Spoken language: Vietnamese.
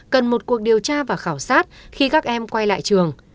cần một cuộc điều tra và khảo sát khi các em quay lại trường